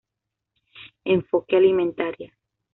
Enfoque Alimentaria.